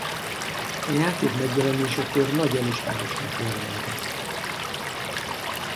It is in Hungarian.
A játék megjelenésekor nagy elismerésnek örvendett.